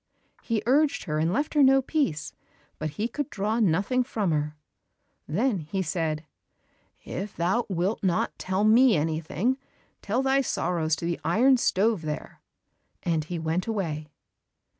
He urged her and left her no peace, but he could draw nothing from her. Then said he, "If thou wilt not tell me anything, tell thy sorrows to the iron stove there," and he went away.